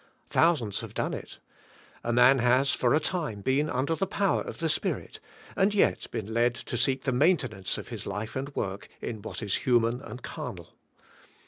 Thousands have done it. A man has, for a time, been under the power of the Spirit, and yet been led to seek the maintenance of his life and work in what is human and carnal.